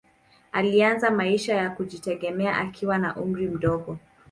Alianza maisha ya kujitegemea akiwa na umri mdogo.